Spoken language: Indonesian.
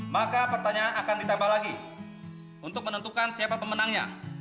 maka pertanyaan akan ditambah lagi untuk menentukan siapa pemenangnya